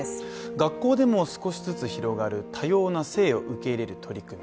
学校でも少しずつ広がる多様な性を受け入れる取り組み。